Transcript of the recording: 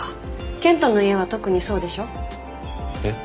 健人の家は特にそうでしょ？えっ？